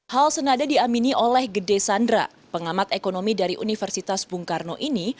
hal senada diamini oleh gede sandra pengamat ekonomi dari universitas bung karno ini